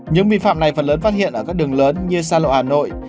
những vi phạm này phần lớn phát hiện ở các đường lớn như sa lộ hà nội